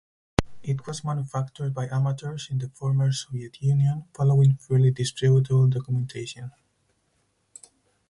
It was manufactured by amateurs in the former Soviet Union, following freely distributable documentation.